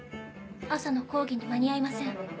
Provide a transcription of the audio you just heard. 朝の講義に間に合いません。